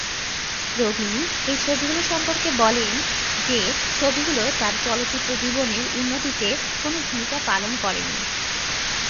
রবিন এই ছবিগুলো সম্পর্কে বলেন যে এগুলো তার চলচ্চিত্র জীবনের উন্নতিতে কোন ভূমিকা পালন করে নি।